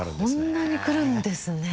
こんなに来るんですね。